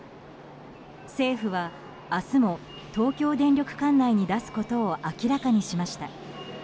政府は、明日も東京電力管内に出すことを明らかにしました。